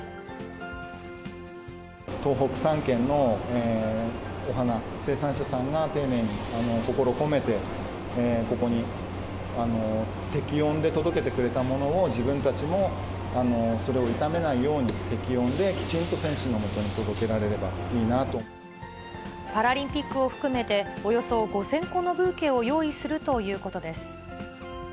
東北３県のお花、生産者さんが丁寧に心を込めて、ここに適温で届けてくれたものを、自分たちもそれを傷めないように、適温できちんと選手のもとに届けパラリンピックを含めて、およそ５０００個のブーケを用意するということです。